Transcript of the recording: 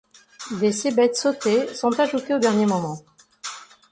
Des cébettes sautées sont ajoutées au dernier moment.